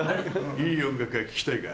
いい音楽が聴きたいか？